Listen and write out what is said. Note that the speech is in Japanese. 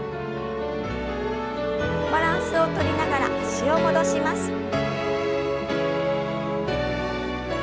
バランスをとりながら脚を戻します。